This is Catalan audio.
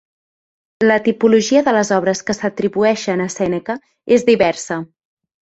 La tipologia de les obres que s'atribueixen a Sèneca és diversa.